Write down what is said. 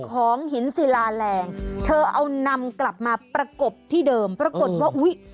ของหินศิลาแรงเธอเอานำกลับมาประกบที่เดิมปรากฏว่าอุ้ย